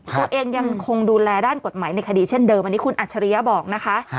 ตัวเองยังคงดูแลด้านกฎหมายในคดีเช่นเดิมอันนี้คุณอัจฉริยะบอกนะคะ